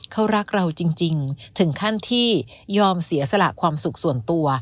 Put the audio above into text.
เขารักเราจริงถึงขั้นที่ยอมเสียสละความสุขส่วนตัว